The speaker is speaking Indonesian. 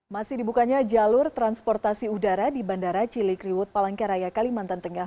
masih dibukanya jalur transportasi udara di bandara cilikriwut palangkaraya kalimantan tengah